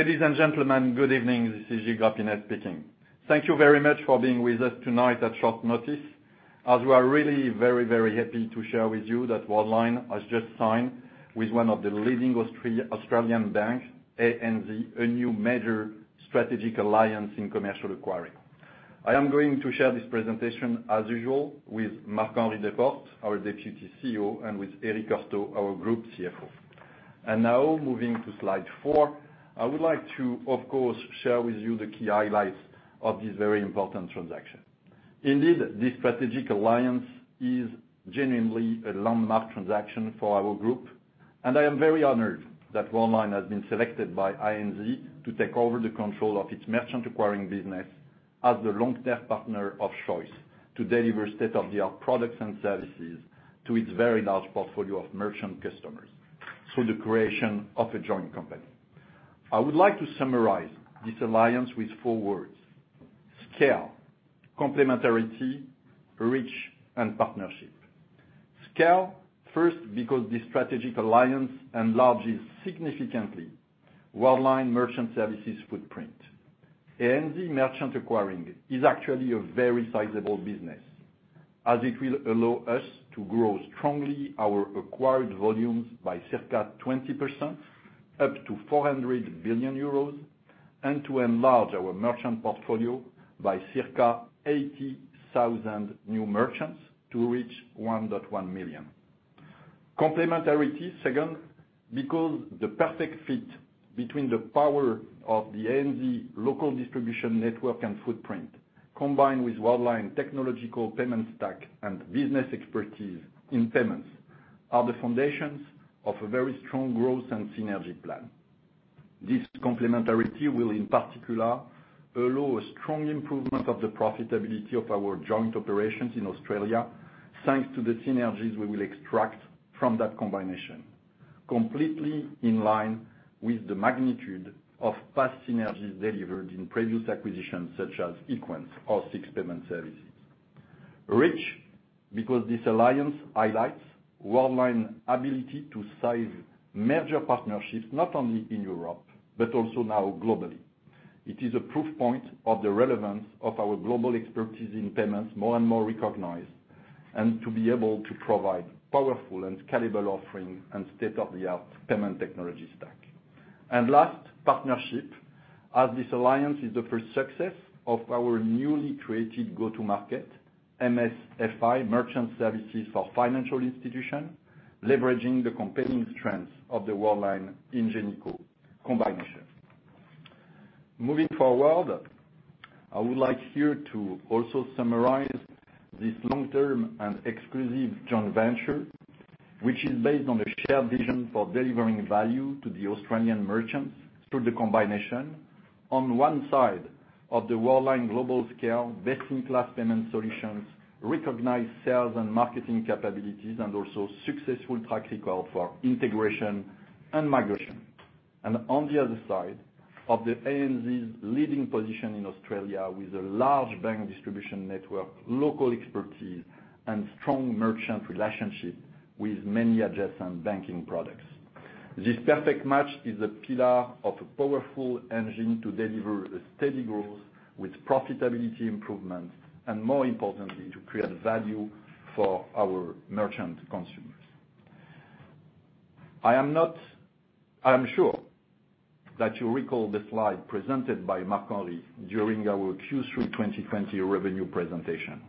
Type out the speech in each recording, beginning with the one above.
Ladies and gentlemen, good evening. This is Gilles Grapinet speaking. Thank you very much for being with us tonight at short notice, as we are really very, very happy to share with you that Worldline has just signed with one of the leading Australian banks, ANZ, a new major strategic alliance in commercial acquiring. I am going to share this presentation, as usual, with Marc-Henri Desportes, our Deputy CEO, and with Eric Heurtaux, our Group CFO. And now, moving to slide four, I would like to, of course, share with you the key highlights of this very important transaction. Indeed, this strategic alliance is genuinely a landmark transaction for our group, and I am very honored that Worldline has been selected by ANZ to take over the control of its merchant acquiring business as the long-term partner of choice to deliver state-of-the-art products and services to its very large portfolio of merchant customers through the creation of a joint company. I would like to summarize this alliance with four words: scale, complementarity, reach, and partnership. Scale, first, because this strategic alliance enlarges significantly Worldline Merchant Services footprint. ANZ merchant acquiring is actually a very sizable business, as it will allow us to grow strongly our acquired volumes by circa 20%, up to 400 billion euros, and to enlarge our merchant portfolio by circa 80,000 new merchants to reach 1.1 million. Complementarity, second, because the perfect fit between the power of the ANZ local distribution network and footprint, combined with Worldline's technological payment stack and business expertise in payments, are the foundations of a very strong growth and synergy plan. This complementarity will, in particular, allow a strong improvement of the profitability of our joint operations in Australia, thanks to the synergies we will extract from that combination, completely in line with the magnitude of past synergies delivered in previous acquisitions, such as Equens or SIX Payment Services. Third, because this alliance highlights Worldline's ability to strike major partnerships, not only in Europe, but also now globally. It is a proof point of the relevance of our global expertise in payments, more and more recognized, and to be able to provide powerful and scalable offering and state-of-the-art payment technology stack. Last, partnership, as this alliance is the first success of our newly created go-to-market, MSFI, Merchant Services for Financial Institutions, leveraging the competing strengths of the Worldline Ingenico combination. Moving forward, I would like here to also summarize this long-term and exclusive joint venture, which is based on a shared vision for delivering value to the Australian merchants through the combination. On one side of the Worldline global scale, best-in-class payment solutions, recognized sales and marketing capabilities, and also successful track record for integration and migration. And on the other side, of the ANZ's leading position in Australia with a large bank distribution network, local expertise, and strong merchant relationship with many adjacent banking products. This perfect match is a pillar of a powerful engine to deliver a steady growth with profitability improvements, and more importantly, to create value for our merchant consumers. I am sure that you recall the slide presented by Marc-Henri during our Q3 2020 revenue presentation.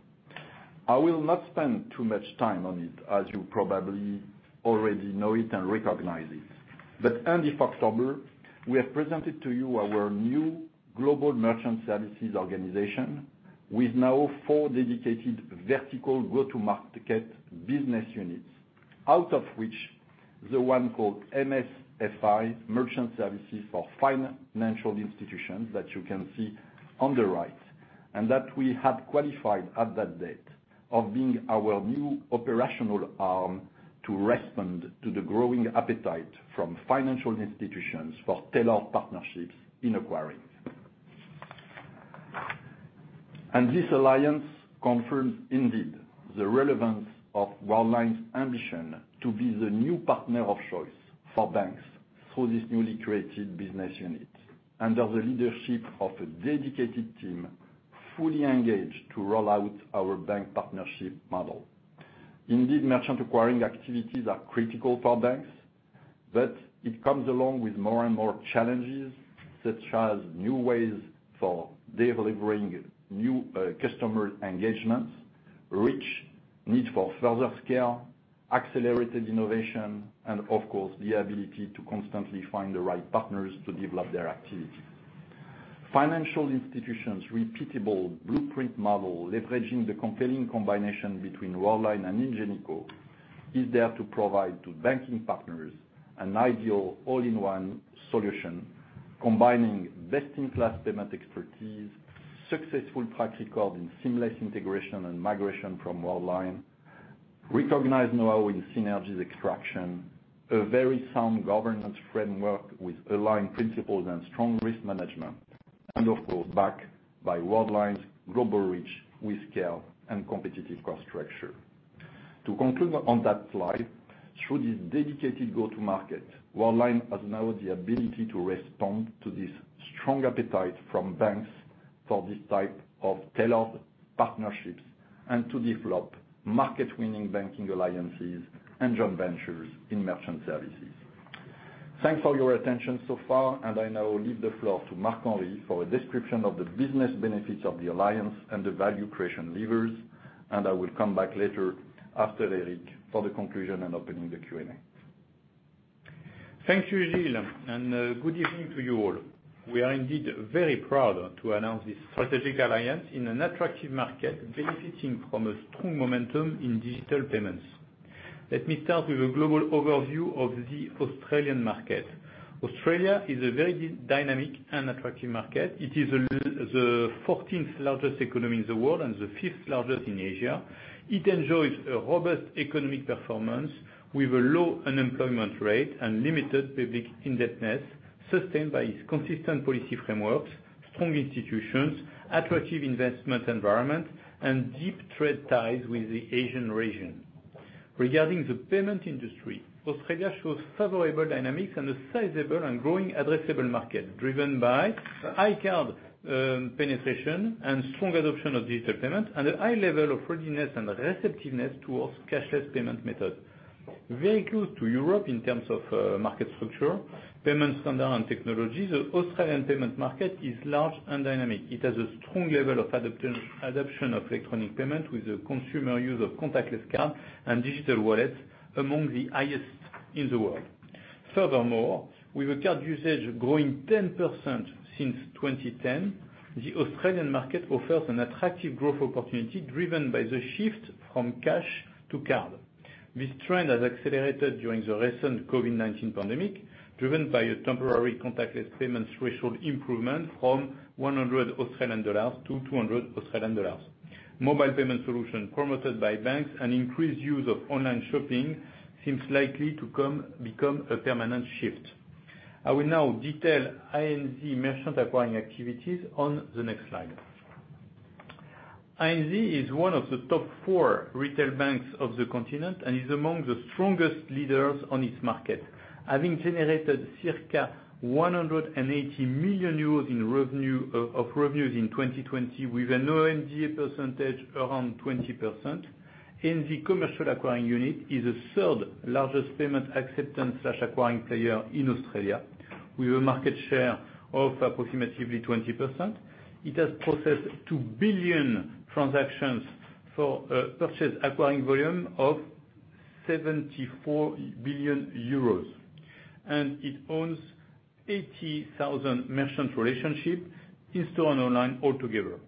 I will not spend too much time on it, as you probably already know it and recognize it. But end of October, we have presented to you our new global Merchant Services organization with now four dedicated vertical go-to-market business units. Out of which, the one called MSFI, Merchant Services for Financial Institutions, that you can see on the right, and that we had qualified at that date of being our new operational arm to respond to the growing appetite from financial institutions for tailored partnerships in acquiring. And this alliance confirms, indeed, the relevance of Worldline's ambition to be the new partner of choice for banks through this newly created business unit, under the leadership of a dedicated team, fully engaged to roll out our bank partnership model. Indeed, merchant acquiring activities are critical for banks, but it comes along with more and more challenges, such as new ways for delivering new, customer engagements, reach, need for further scale, accelerated innovation, and of course, the ability to constantly find the right partners to develop their activity. Financial institutions' repeatable blueprint model, leveraging the compelling combination between Worldline and Ingenico, is there to provide to banking partners an ideal all-in-one solution, combining best-in-class payment expertise, successful track record in seamless integration and migration from Worldline, recognized now in synergies extraction, a very sound governance framework with aligned principles and strong risk management, and of course, backed by Worldline's global reach with scale and competitive cost structure. To conclude on that slide, through this dedicated go-to-market, Worldline has now the ability to respond to this strong appetite from banks for this type of tailored partnerships, and to develop market-winning banking alliances and joint ventures in Merchant Services. Thanks for your attention so far, and I now leave the floor to Marc-Henri for a description of the business benefits of the alliance and the value creation levers, and I will come back later, after Eric, for the conclusion and opening the Q&A. Thank you, Gilles, and good evening to you all. We are indeed very proud to announce this strategic alliance in an attractive market, benefiting from a strong momentum in digital payments. Let me start with a global overview of the Australian market. Australia is a very dynamic and attractive market. It is the 14th largest economy in the world, and the 5th largest in Asia. It enjoys a robust economic performance, with a low unemployment rate and limited public indebtedness, sustained by its consistent policy frameworks, strong institutions, attractive investment environment, and deep trade ties with the Asian region. Regarding the payment industry, Australia shows favorable dynamics and a sizable and growing addressable market, driven by high card penetration and strong adoption of digital payment, and a high level of readiness and receptiveness towards cashless payment methods. Very close to Europe in terms of, market structure, payment standard, and technology, the Australian payment market is large and dynamic. It has a strong level of adoption, adoption of electronic payment, with the consumer use of contactless card and digital wallets among the highest in the world. Furthermore, with the card usage growing 10% since 2010, the Australian market offers an attractive growth opportunity, driven by the shift from cash to card. This trend has accelerated during the recent COVID-19 pandemic, driven by a temporary contactless payment threshold improvement from 100-200 Australian dollars. Mobile payment solution promoted by banks and increased use of online shopping seems likely to become a permanent shift. I will now detail ANZ merchant acquiring activities on the next slide. ANZ is one of the top four retail banks of the continent, and is among the strongest leaders on its market, having generated circa 180 million euros in revenue, of revenues in 2020, with an OMDA percentage around 20%. ANZ commercial acquiring unit is the third largest payment acceptance/acquiring player in Australia, with a market share of approximately 20%. It has processed 2 billion transactions for, purchase acquiring volume of 74 billion euros, and it owns 80,000 merchant relationship, in-store and online altogether.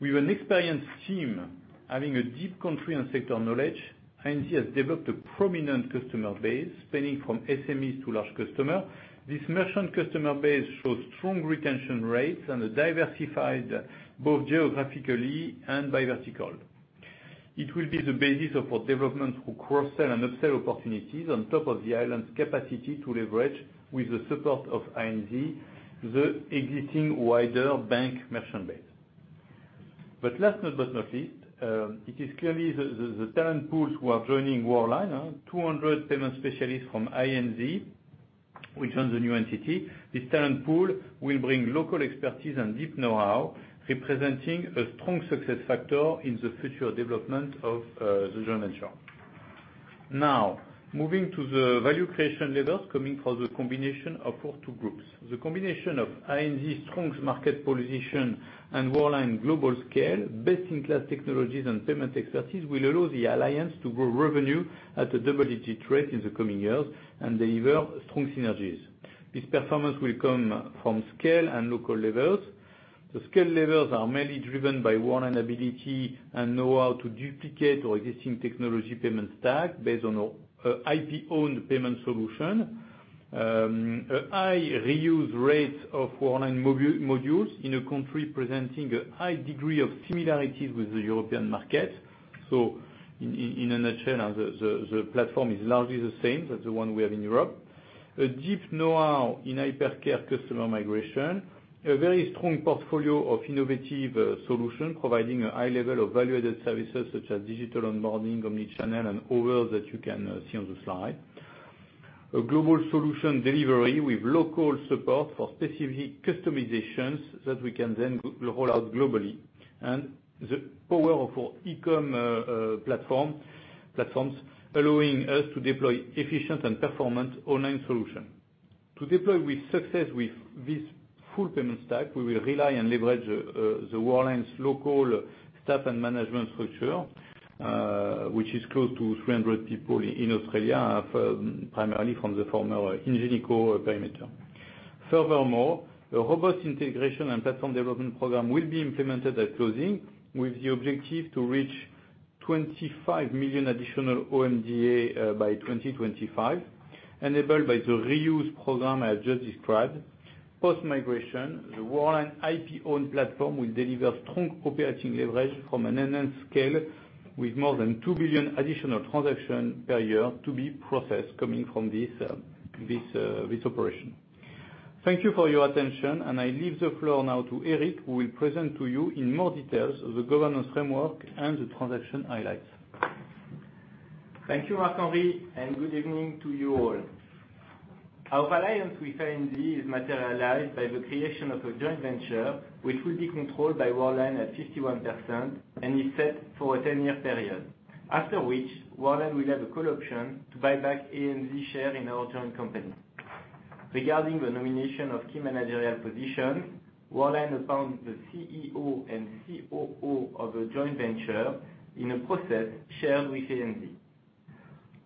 With an experienced team, having a deep country and sector knowledge, ANZ has developed a prominent customer base, spanning from SMEs to large customer. This merchant customer base shows strong retention rates and are diversified, both geographically and by vertical. It will be the basis of our development through cross-sell and upsell opportunities, on top of the ANZ's capacity to leverage with the support of ANZ, the existing wider bank merchant base. But last but not least, it is clearly the talent pools who are joining Worldline, 200 payment specialists from ANZ, which owns the new entity. This talent pool will bring local expertise and deep know-how, representing a strong success factor in the future development of the joint venture. Now, moving to the value creation levers, coming from the combination of our two groups. The combination of ANZ's strong market position and Worldline global scale, best-in-class technologies and payment expertise, will allow the alliance to grow revenue at a double-digit rate in the coming years, and deliver strong synergies. This performance will come from scale and local levers. The scale levers are mainly driven by Worldline's ability and know-how to duplicate our existing technology payment stack, based on our IP-owned payment solution. A high reuse rate of Worldline modules in a country presenting a high degree of similarities with the European market. So in a nutshell, the platform is largely the same as the one we have in Europe. A deep know-how in hypercare customer migration, a very strong portfolio of innovative solution, providing a high level of value-added services, such as digital onboarding, omni-channel, and others that you can see on the slide. A global solution delivery with local support for specific customizations that we can then roll out globally, and the power of our e-com platforms, allowing us to deploy efficient and performant online solution. To deploy with success with this full payment stack, we will rely and leverage the Worldline's local staff and management structure, which is close to 300 people in Australia, primarily from the former Ingenico perimeter. Furthermore, a robust integration and platform development program will be implemented at closing, with the objective to reach 25 million additional OMDA by 2025, enabled by the reuse program I have just described. Post-migration, the Worldline IP-owned platform will deliver strong operating leverage from an enhanced scale, with more than 2 billion additional transactions per year to be processed coming from this operation. ...Thank you for your attention, and I leave the floor now to Eric, who will present to you in more details the governance framework and the transaction highlights. Thank you, Marc-Henri, and good evening to you all. Our alliance with ANZ is materialized by the creation of a joint venture, which will be controlled by Worldline at 51% and is set for a 10-year period, after which Worldline will have a call option to buy back ANZ share in our joint company. Regarding the nomination of key managerial positions, Worldline appoint the CEO and COO of a joint venture in a process shared with ANZ.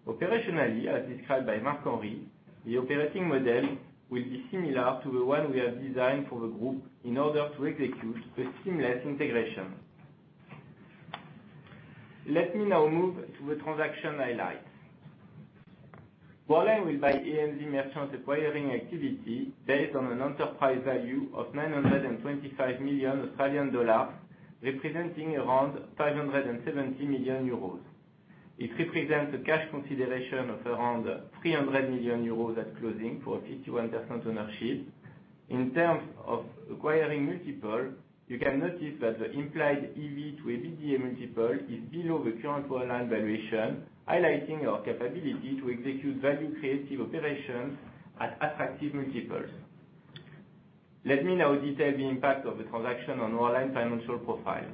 Operationally, as described by Marc-Henri, the operating model will be similar to the one we have designed for the group in order to execute a seamless integration. Let me now move to the transaction highlights. Worldline will buy ANZ merchant acquiring activity based on an enterprise value of 925 million Australian dollars, representing around 570 million euros. It represents a cash consideration of around 300 million euros at closing for a 51% ownership. In terms of acquiring multiple, you can notice that the implied EV to EBITDA multiple is below the current Worldline valuation, highlighting our capability to execute value-creative operations at attractive multiples. Let me now detail the impact of the transaction on Worldline financial profile.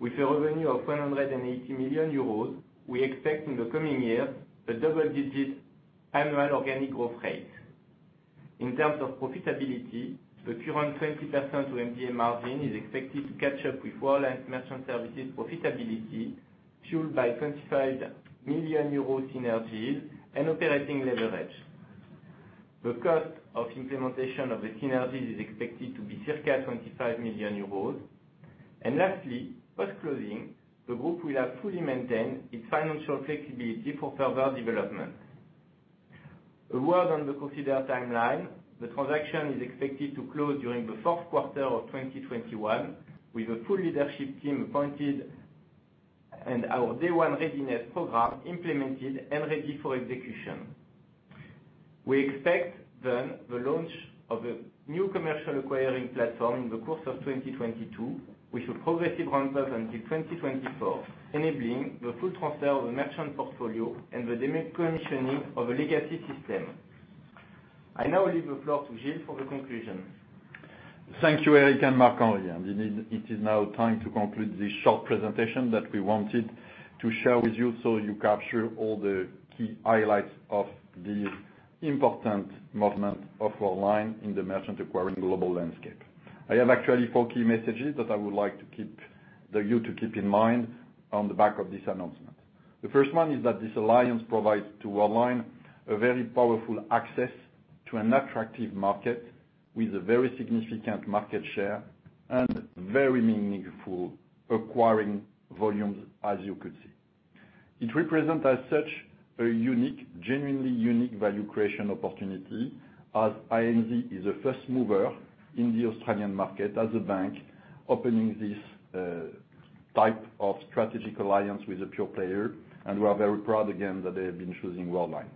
With a revenue of 180 million euros, we expect in the coming years a double-digit annual organic growth rate. In terms of profitability, the current 20% EBITDA margin is expected to catch up with Worldline Merchant Services profitability, fueled by 25 million euro synergies and operating leverage. The cost of implementation of the synergies is expected to be circa 25 million euros. And lastly, post-closing, the group will have fully maintained its financial flexibility for further development. A word on the considered timeline. The transaction is expected to close during the fourth quarter of 2021, with a full leadership team appointed and our day one readiness program implemented and ready for execution. We expect then the launch of a new commercial acquiring platform in the course of 2022, with a progressive ramp up until 2024, enabling the full transfer of the merchant portfolio and the decommissioning of a legacy system. I now leave the floor to Gilles for the conclusion. Thank you, Eric and Marc-Henri, and it is now time to conclude this short presentation that we wanted to share with you, so you capture all the key highlights of the important movement of Worldline in the merchant acquiring global landscape. I have actually four key messages that I would like to keep, that you to keep in mind on the back of this announcement. The first one is that this alliance provides to Worldline a very powerful access to an attractive market, with a very significant market share and very meaningful acquiring volumes, as you could see. It represents, as such, a unique, genuinely unique value creation opportunity, as ANZ is a first mover in the Australian market, as a bank, opening this type of strategic alliance with a pure player, and we are very proud again that they have been choosing Worldline.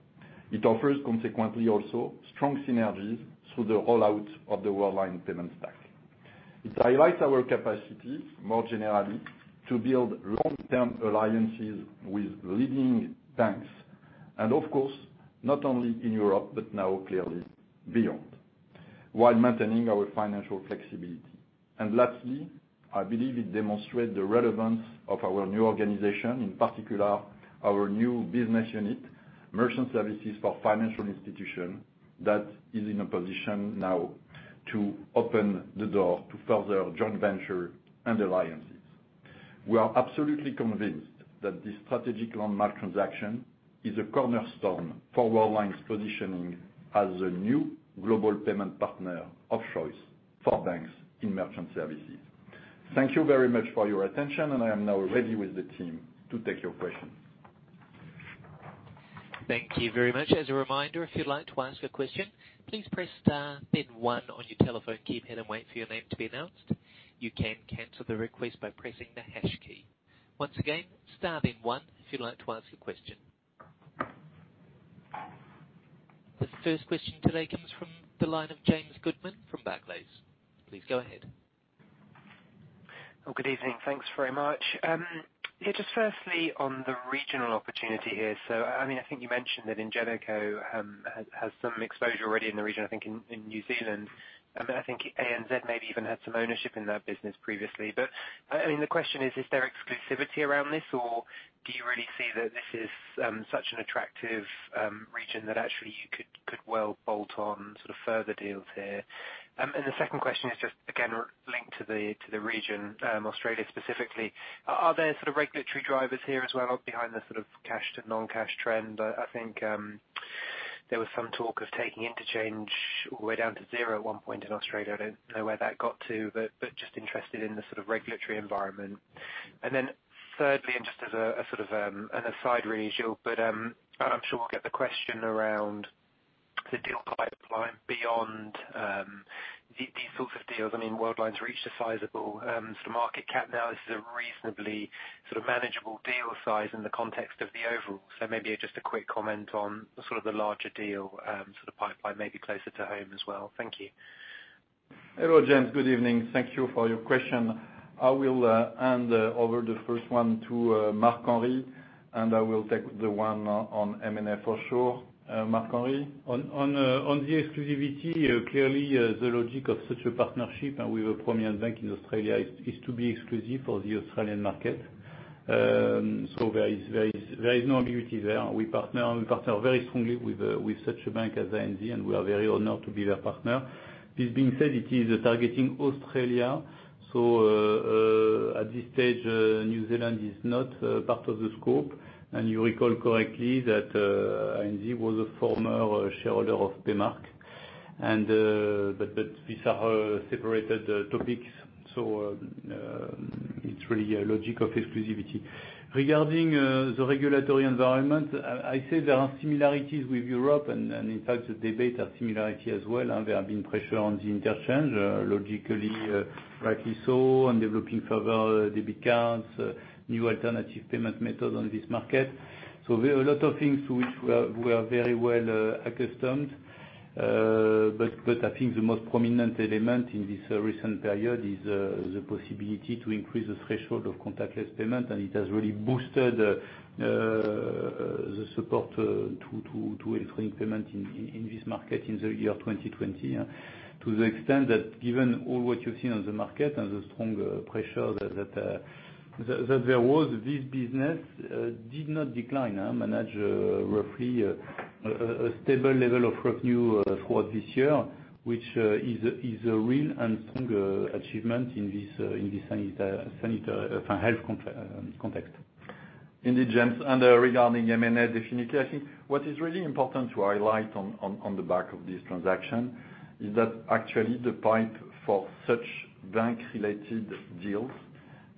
It offers consequently also strong synergies through the rollout of the Worldline Payment Stack. It highlights our capacity, more generally, to build long-term alliances with leading banks, and of course, not only in Europe, but now clearly beyond, while maintaining our financial flexibility. And lastly, I believe it demonstrates the relevance of our new organization, in particular, our new business unit, Merchant Services for Financial Institutions, that is in a position now to open the door to further joint ventures and alliances. We are absolutely convinced that this strategic landmark transaction is a cornerstone for Worldline's positioning as a new global payment partner of choice for banks in Merchant Services. Thank you very much for your attention, and I am now ready with the team to take your questions. Thank you very much. As a reminder, if you'd like to ask a question, please press star, then one on your telephone keypad and wait for your name to be announced. You can cancel the request by pressing the hash key. Once again, star, then one if you'd like to ask a question. The first question today comes from the line of James Goodman from Barclays. Please go ahead. Well, good evening. Thanks very much. Yeah, just firstly, on the regional opportunity here. So I mean, I think you mentioned that Ingenico has some exposure already in the region, I think in New Zealand. And then I think ANZ maybe even had some ownership in that business previously. But I mean, the question is, is there exclusivity around this, or do you really see that this is such an attractive region that actually you could well bolt on sort of further deals here? And the second question is just again, linked to the region, Australia specifically. Are there sort of regulatory drivers here as well behind the sort of cash to non-cash trend? I think there was some talk of taking interchange all the way down to zero at one point in Australia. I don't know where that got to, but, but just interested in the sort of regulatory environment. And then thirdly, and just as a, a sort of, an aside really, Gilles, but, I'm sure we'll get the question around the deal pipeline beyond,... these sorts of deals, I mean, Worldline's reached a sizable, sort of market cap now. This is a reasonably sort of manageable deal size in the context of the overall. So maybe just a quick comment on sort of the larger deal, sort of pipeline, maybe closer to home as well. Thank you. Hello, James. Good evening. Thank you for your question. I will hand over the first one to Marc-Henri, and I will take the one on M&A for sure. Marc-Henri? On the exclusivity, clearly, the logic of such a partnership with a premier bank in Australia is to be exclusive for the Australian market. So there is no ambiguity there. We partner very strongly with such a bank as ANZ, and we are very honored to be their partner. This being said, it is targeting Australia, so at this stage, New Zealand is not part of the scope. And you recall correctly that ANZ was a former shareholder of Paymark, and but these are separated topics. So it's really a logic of exclusivity. Regarding the regulatory environment, I say there are similarities with Europe, and in fact, the debates are similar as well, and there have been pressures on the interchange, logically, rightly so, and developing further debit cards, new alternative payment methods on this market. So there are a lot of things to which we are very well accustomed. But I think the most prominent element in this recent period is the possibility to increase the threshold of contactless payment, and it has really boosted the support to entering payment in this market in the year 2020, yeah. To the extent that, given all that you've seen on the market and the strong pressure that there was, this business did not decline, managed roughly a stable level of revenue throughout this year, which is a real and strong achievement in this sanitary and health context. Indeed, James, and regarding M&A, definitely, I think what is really important to highlight on the back of this transaction is that actually the pipe for such bank-related deals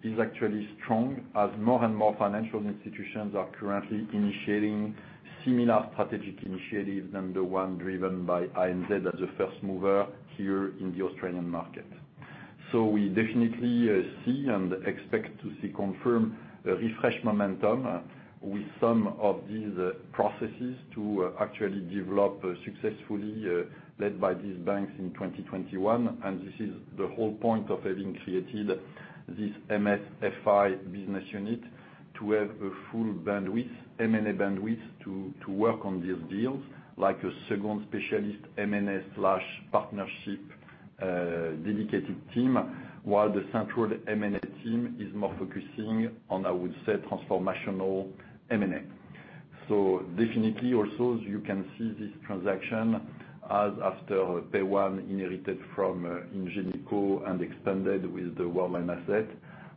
is actually strong, as more and more financial institutions are currently initiating similar strategic initiatives than the one driven by ANZ as the first mover here in the Australian market. So we definitely see and expect to see confirm refresh momentum with some of these processes to actually develop successfully, led by these banks in 2021. And this is the whole point of having created this MSFI business unit, to have a full bandwidth, M&A bandwidth, to work on these deals, like a second specialist M&A/partnership dedicated team, while the central M&A team is more focusing on, I would say, transformational M&A. So definitely also, you can see this transaction as after Payone inherited from Ingenico and expanded with the Worldline asset,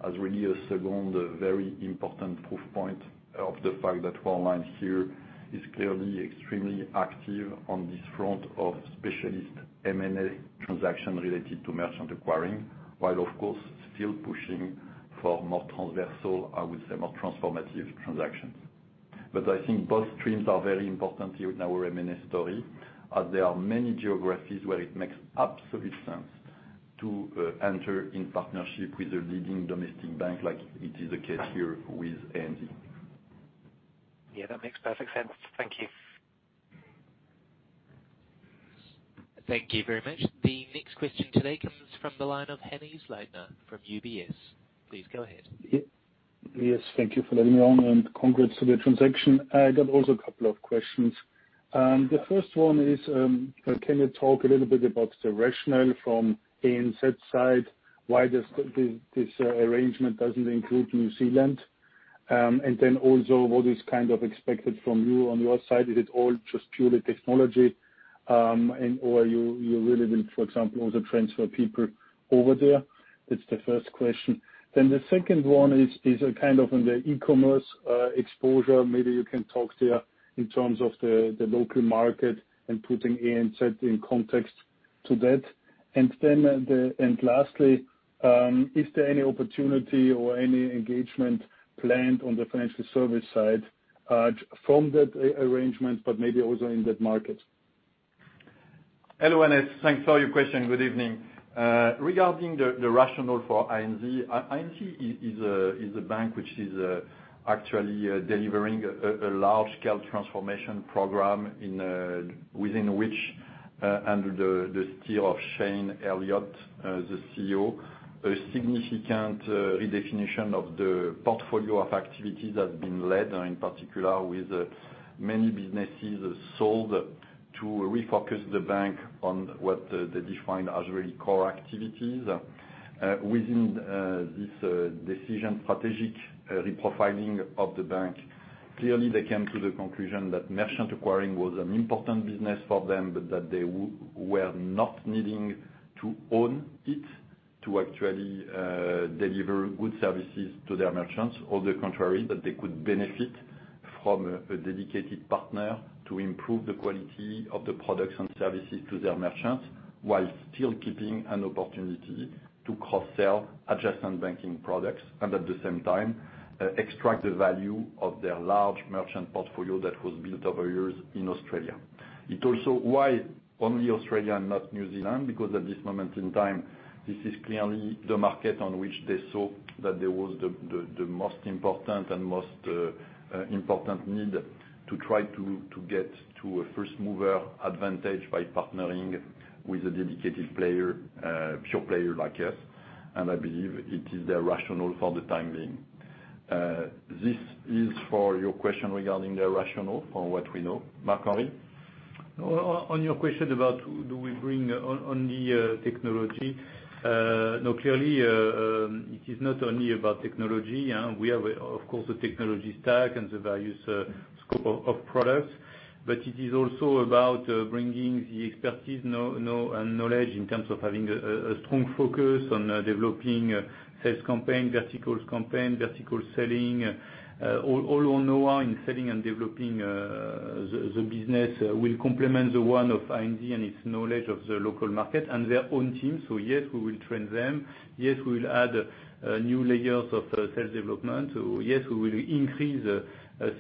as really a second very important proof point of the fact that Worldline here is clearly extremely active on this front of specialist M&A transaction related to merchant acquiring, while, of course, still pushing for more transversal, I would say, more transformative transactions. But I think both streams are very important here in our M&A story, as there are many geographies where it makes absolute sense to enter in partnership with a leading domestic bank, like it is the case here with ANZ. Yeah, that makes perfect sense. Thank you. Thank you very much. The next question today comes from the line of Hannes Leitner from UBS. Please go ahead. Yeah. Yes, thank you for letting me on, and congrats to the transaction. I got also a couple of questions. The first one is, can you talk a little bit about the rationale from ANZ side, why this arrangement doesn't include New Zealand? And then also, what is kind of expected from you on your side? Is it all just purely technology, and/or you really will, for example, also transfer people over there? That's the first question. Then the second one is, is kind of on the e-commerce exposure. Maybe you can talk there in terms of the local market and putting ANZ in context to that. And lastly, is there any opportunity or any engagement planned on the financial service side, from that arrangement, but maybe also in that market? Hello, Hannes. Thanks for your question. Good evening. Regarding the rationale for ANZ, ANZ is a bank which is actually delivering a large-scale transformation program within which, under the steer of Shayne Elliott, the CEO, a significant redefinition of the portfolio of activities has been led, in particular with many businesses sold to refocus the bank on what they define as really core activities. Within this decision strategic reprofiling of the bank, clearly, they came to the conclusion that merchant acquiring was an important business for them, but that they were not needing to own it to actually deliver good services to their merchants. On the contrary, that they could benefit from a dedicated partner to improve the quality of the products and services to their merchants, while still keeping an opportunity to cross-sell adjacent banking products, and at the same time, extract the value of their large merchant portfolio that was built over years in Australia... It also, why only Australia and not New Zealand? Because at this moment in time, this is clearly the market on which they saw that there was the most important and most important need to try to get to a first mover advantage by partnering with a dedicated player, pure player like us, and I believe it is their rationale for the time being. This is for your question regarding their rationale for what we know. Marc-Henri? On your question about do we bring on the technology, no, clearly, it is not only about technology, and we have of course a technology stack and the various scope of products. But it is also about bringing the expertise, know-how, and knowledge in terms of having a strong focus on developing sales campaign, verticals campaign, vertical selling, all on know-how in selling and developing the business will complement the one of ANZ and its knowledge of the local market and their own team. So yes, we will train them. Yes, we will add new layers of sales development. So yes, we will increase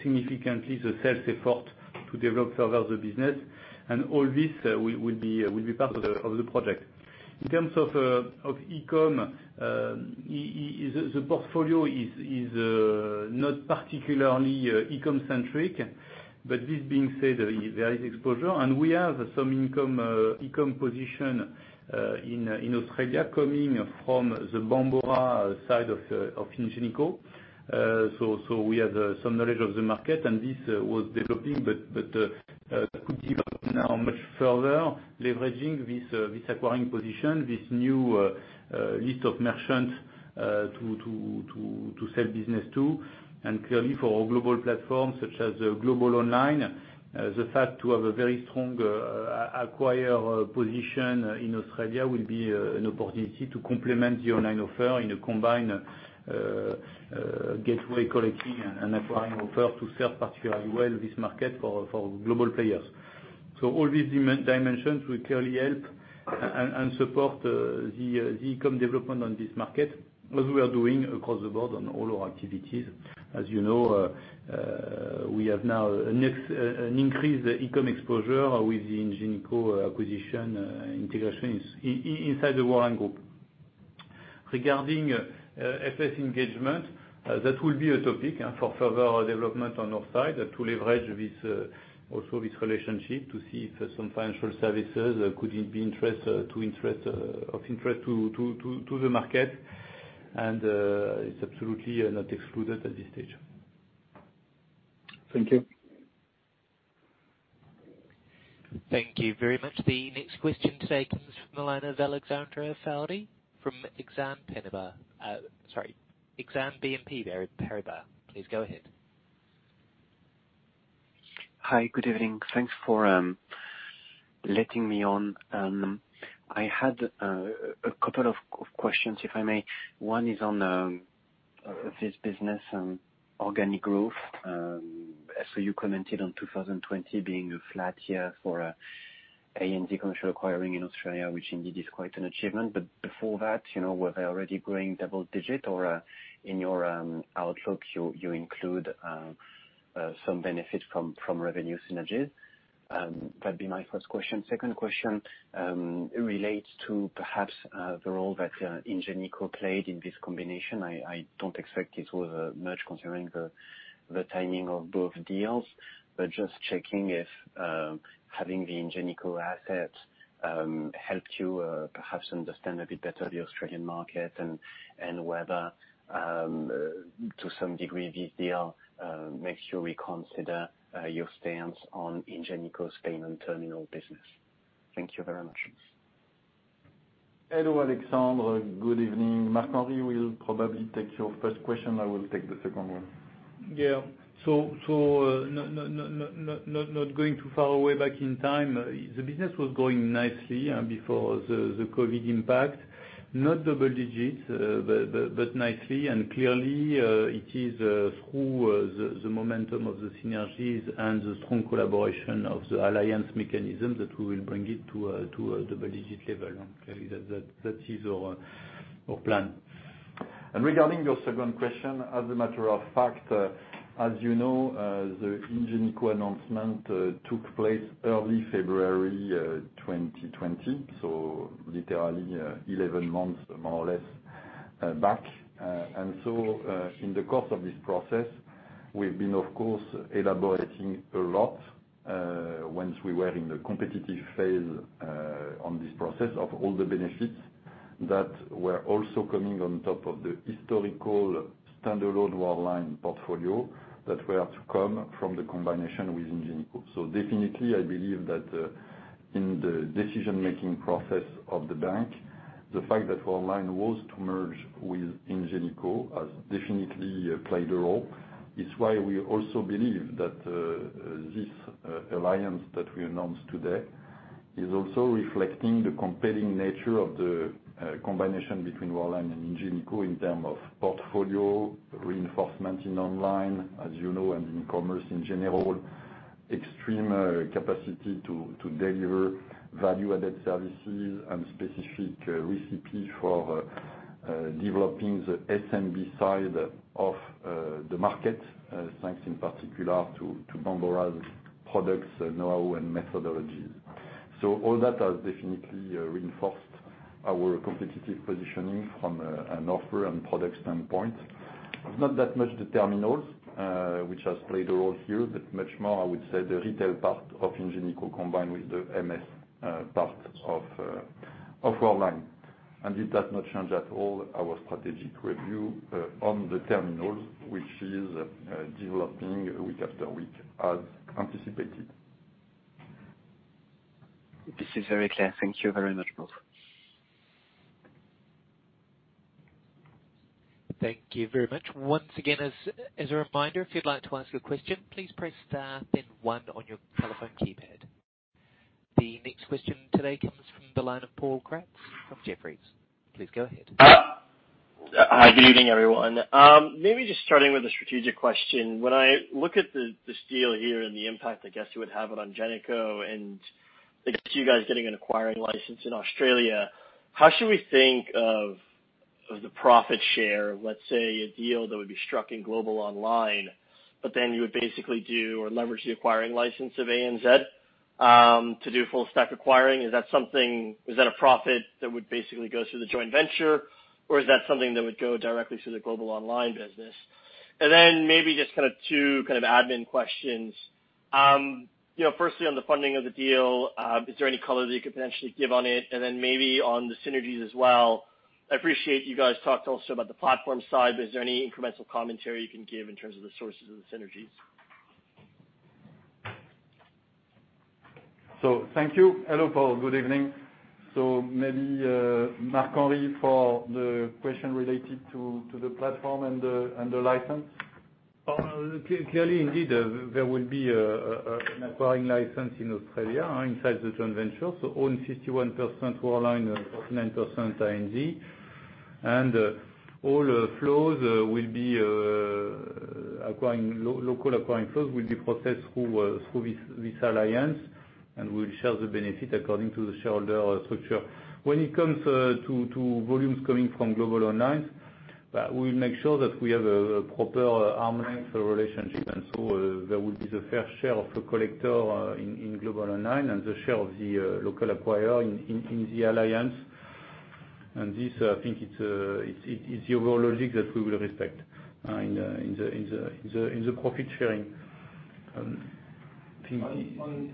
significantly the sales effort to develop further the business, and all this will be part of the project. In terms of e-com, the portfolio is not particularly e-com centric. But this being said, there is exposure, and we have some income e-com position in Australia, coming from the Bambora side of Ingenico. So we have some knowledge of the market, you see, and this was developing, but could develop now much further, leveraging this acquiring position, this new list of merchants to sell business to. And clearly, for our global platforms, such as Global Online, the fact to have a very strong acquiring position in Australia will be an opportunity to complement the online offer in a combined gateway collecting and acquiring offer to serve particularly well this market for global players. So all these dimensions will clearly help and support the e-com development on this market, as we are doing across the board on all our activities. As you know, we have now an increased e-com exposure with the Ingenico acquisition, integration inside the Worldline group. Regarding FS engagement, that will be a topic for further development on our side, to leverage this relationship, to see if some financial services could be of interest to the market, and it's absolutely not excluded at this stage. Thank you. Thank you very much. The next question today comes from the line of Alexandre Faure from Exane BNP Paribas. Please go ahead. Hi, good evening. Thanks for letting me on. I had a couple of questions, if I may. One is on this business on organic growth. So you commented on 2020 being a flat year for ANZ commercial acquiring in Australia, which indeed is quite an achievement. But before that, you know, were they already growing double digit? Or in your outlook, you include some benefit from revenue synergies? That'd be my first question. Second question relates to perhaps the role that Ingenico played in this combination. I don't expect it was much considering the timing of both deals, but just checking if having the Ingenico assets helped you perhaps understand a bit better the Australian market, and whether to some degree this deal makes you reconsider your stance on Ingenico's payment terminal business. Thank you very much. Hello, Alexandre. Good evening. Marc-Henri will probably take your first question. I will take the second one. Yeah. So, not going too far away back in time, the business was growing nicely before the COVID impact. Not double digits, but nicely and clearly, it is through the momentum of the synergies and the strong collaboration of the alliance mechanism that we will bring it to a double-digit level. Clearly, that is our plan. Regarding your second question, as a matter of fact, as you know, the Ingenico announcement took place early February 2020, so literally 11 months, more or less, back. And so, in the course of this process, we've been, of course, elaborating a lot, once we were in the competitive phase, on this process, of all the benefits that were also coming on top of the historical standalone Worldline portfolio that were to come from the combination with Ingenico. So definitely, I believe that, in the decision-making process of the bank, the fact that Worldline was to merge with Ingenico has definitely played a role. It's why we also believe that, this alliance that we announced today is also reflecting the compelling nature of the, combination between Worldline and Ingenico in terms of portfolio reinforcement in online, as you know, and in commerce in general. Extreme capacity to deliver value-added services and specific recipes for,... developing the SMB side of the market, thanks in particular to Bambora's products, know-how, and methodology. So all that has definitely reinforced our competitive positioning from an offer and product standpoint. Not that much the terminals, which has played a role here, but much more, I would say, the retail part of Ingenico, combined with the MS part of Worldline. And it does not change at all our strategic review on the terminals, which is developing week after week, as anticipated. This is very clear. Thank you very much, Paul. Thank you very much. Once again, as a reminder, if you'd like to ask a question, please press star, then one on your telephone keypad. The next question today comes from the line of Paul Kratz from Jefferies. Please go ahead. Hi, good evening, everyone. Maybe just starting with a strategic question. When I look at the, this deal here and the impact I guess it would have on Ingenico, and I guess you guys getting an acquiring license in Australia, how should we think of, of the profit share, let's say, a deal that would be struck in Global Online, but then you would basically do or leverage the acquiring license of ANZ to do full-stack acquiring? Is that something? Was that a profit that would basically go through the joint venture, or is that something that would go directly to the Global Online business? And then maybe just kind of two kind of admin questions. You know, firstly, on the funding of the deal, is there any color that you could potentially give on it? And then maybe on the synergies as well. I appreciate you guys talked also about the platform side, but is there any incremental commentary you can give in terms of the sources of the synergies? So thank you. Hello, Paul, good evening. So maybe, Marc-Henri, for the question related to the platform and the license. Clearly, indeed, there will be an acquiring license in Australia inside the joint venture, so own 51% Worldline and 49% ANZ. And all local acquiring flows will be processed through this alliance, and we'll share the benefit according to the shareholder structure. When it comes to volumes coming from Global Online, we make sure that we have a proper arm's length relationship. And so there will be the fair share of the acquirer in Global Online and the share of the local acquirer in the alliance. And this, I think, it's the overall logic that we will respect in the profit sharing. I think-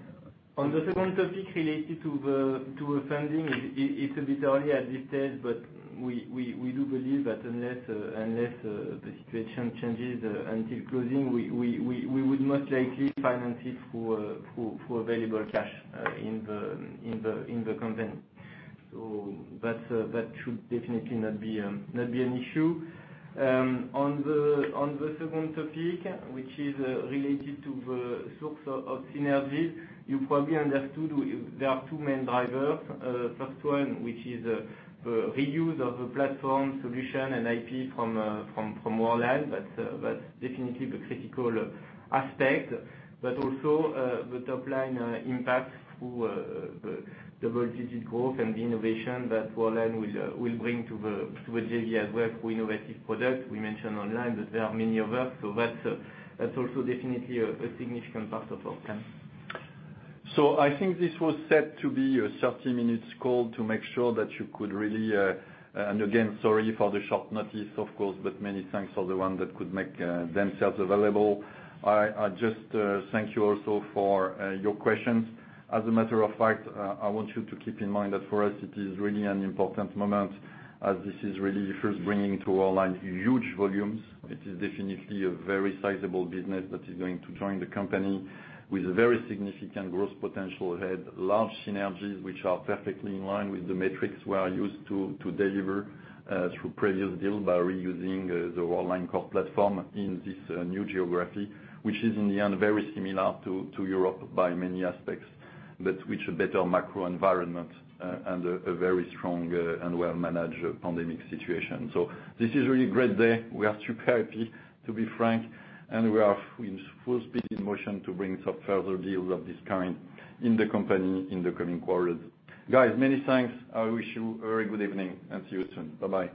On the second topic related to the funding, it's a bit early at this stage, but we do believe that unless the situation changes until closing, we would most likely finance it through available cash in the context. So that should definitely not be an issue. On the second topic, which is related to the source of synergies, you probably understood we, there are two main drivers. First one, which is the reuse of the platform solution and IP from Worldline. That's definitely the critical aspect, but also the top line impacts through the double-digit growth and the innovation that Worldline will bring to the JV as well for innovative products. We mentioned online that there are many of them, so that's also definitely a significant part of our plan. So I think this was set to be a thirty-minute call to make sure that you could really. And again, sorry for the short notice, of course, but many thanks for the one that could make themselves available. I just thank you also for your questions. As a matter of fact, I want you to keep in mind that for us, it is really an important moment, as this is really first bringing to Worldline huge volumes. It is definitely a very sizable business that is going to join the company with a very significant growth potential ahead. Large synergies, which are perfectly in line with the metrics we are used to deliver through previous deal by reusing the Worldline core platform in this new geography. Which is, in the end, very similar to Europe by many aspects, but with a better macro environment and a very strong and well-managed pandemic situation. So this is really a great day. We are super happy, to be frank, and we are in full speed in motion to bring some further deals of this kind in the company in the coming quarters. Guys, many thanks. I wish you a very good evening, and see you soon. Bye-bye.